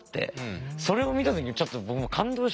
それを見た時にちょっと僕も感動しちゃって。